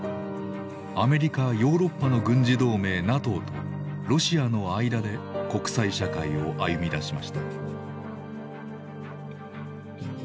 アメリカ・ヨーロッパの軍事同盟ＮＡＴＯとロシアの間で国際社会を歩みだしました。